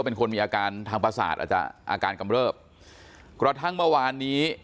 เป็นคนมีอาการทางประสาทอาจจะอาการกำเริบกระทั่งเมื่อวานนี้